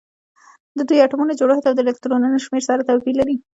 د دوی د اتومونو جوړښت او د الکترونونو شمیر سره توپیر لري